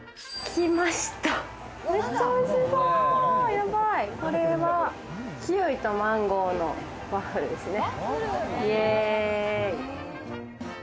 キウイとマンゴーのワッフルですね。